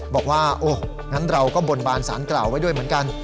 บอกว่าโอ้งั้นเราก็บนบานสารกล่าวไว้ด้วยเหมือนกัน